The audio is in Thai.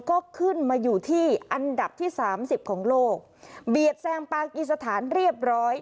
ก็ขึ้นมาอยู่ที่อันดับที่สามสิบของโลกเบียดแซงปากีสถานเรียบร้อย